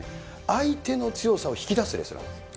相手の強さを引き出すレスラー。